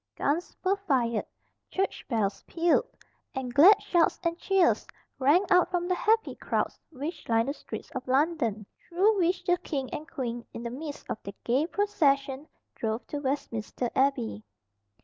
Guns were fired, church bells pealed, and glad shouts and cheers rang out from the happy crowds which lined the streets of London, through which the king and queen, in the midst of their gay procession, drove to Westminster Abbey.